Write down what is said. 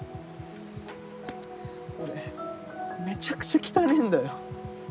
俺めちゃくちゃ汚ねぇんだよ。